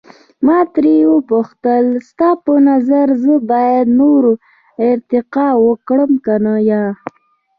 ما ترې وپوښتل، ستا په نظر زه باید نوره ارتقا وکړم که یا؟